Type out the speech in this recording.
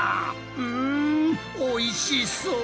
うんおいしそう！